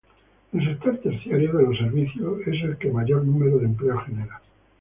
El sector terciario, de los servicios, es el que mayor número de empleos genera.